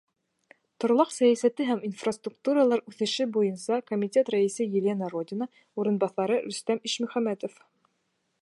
Торлаҡ сәйәсәте һәм инфраструктуралар үҫеше буйынса комитет рәйесе — Елена Родина, урынбаҫары — Рөстәм Ишмөхәмәтов.